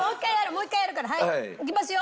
もう１回やるからいきますよ。